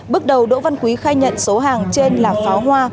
bước đầu đỗ văn quý khai nhận số hàng trên là pháo hoa